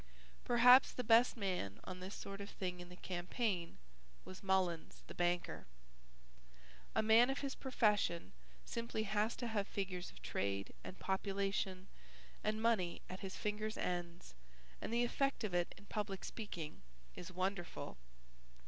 Perhaps the best man on this sort of thing in the campaign was Mullins, the banker. A man of his profession simply has to have figures of trade and population and money at his fingers' ends and the effect of it in public speaking is wonderful.